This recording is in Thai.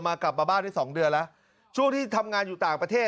กลับมากลับมาบ้านได้สองเดือนแล้วช่วงที่ทำงานอยู่ต่างประเทศ